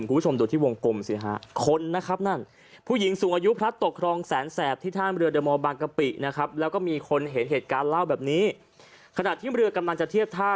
คุณผู้ชมดูที่วงกลมสิฮะ